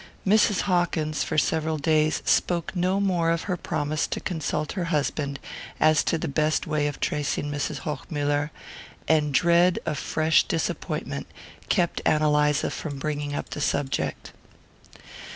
Mrs. Hawkins, for several days, spoke no more of her promise to consult her husband as to the best way of tracing Mrs. Hochmuller; and dread of fresh disappointment kept Ann Eliza from bringing up the subject.